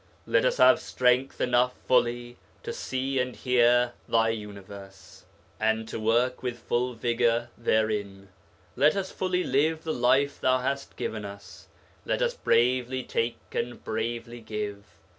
Let us have strength enough fully to see and hear thy universe, and to work with full vigour therein. Let us fully live the life thou hast given us, let us bravely take and bravely give.